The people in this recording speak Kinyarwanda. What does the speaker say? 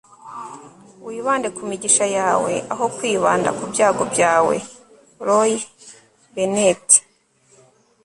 wibande ku migisha yawe, aho kwibanda ku byago byawe. - roy t. bennett